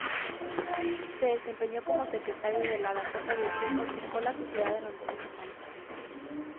Se desempeñó como secretario de la Dakota del Sur Hortícola Sociedad durante muchos años.